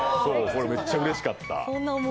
これめっちゃうれしかった。